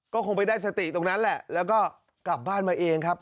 ก็คงไปได้สติตรงนั้นแหละแล้วก็กลับบ้านมาเองครับ